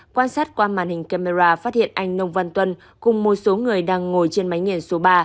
quan sát qua màn hình camera phát hiện anh nông văn tuân cùng một số người đang ngồi trên máy nghề số ba